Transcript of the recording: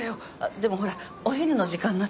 でもほらお昼の時間になったから。